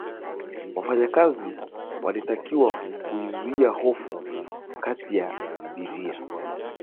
wafanyakazi walitakiwa kuzuia hofu kati ya abiria